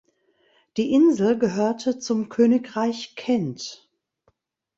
Die Insel gehörte zum Königreich Kent.